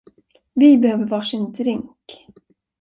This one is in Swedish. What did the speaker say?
Vi behöver varsin drink!